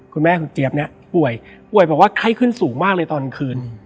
คุณแม่คุณเจี๊ยบเนี่ยป่วยป่วยบอกว่าไข้ขึ้นสูงมากเลยตอนคืน